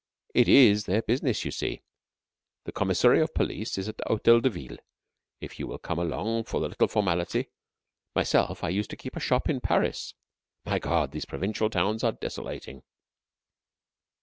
It is their business you see. The Commissary of Police is at the Hotel de Ville, if you will come along for the little formality. Myself, I used to keep a shop in Paris. My God, these provincial towns are desolating!"